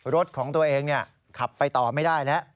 รถของตัวเองขับไปต่อไม่ได้แล้ว